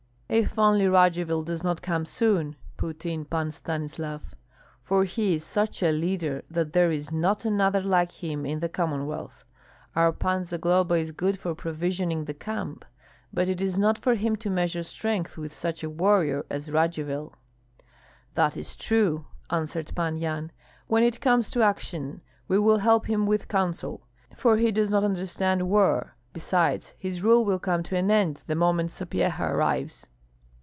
"If only Radzivill does not come soon," put in Pan Stanislav, "for he is such a leader that there is not another like him in the Commonwealth. Our Pan Zagloba is good for provisioning the camp; but it is not for him to measure strength with such a warrior as Radzivill." "That is true!" answered Pan Yan. "When it comes to action we will help him with counsel, for he does not understand war. Besides, his rule will come to an end the moment Sapyeha arrives."